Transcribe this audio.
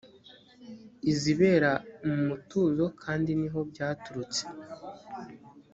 izibera mu mutuzo kandi ni ho byaturutse